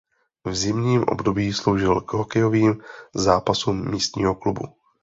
V zimním období sloužil k hokejovým zápasům místního klubu.